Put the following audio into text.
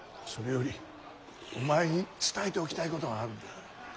それよりお前に伝えておきたいことがあるんだ。